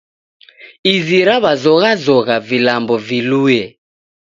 Izi raw'azoghazogha vilambo vilue